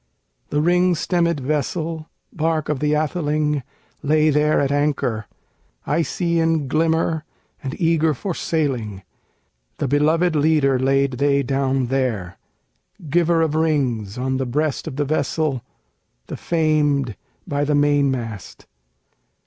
The ring stemmèd vessel, Bark of the atheling, lay there at anchor, Icy in glimmer and eager for sailing; The beloved leader laid they down there, Giver of rings, on the breast of the vessel, The famed by the mainmast.